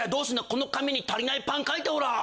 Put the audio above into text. この紙に足りないパン書いてほら！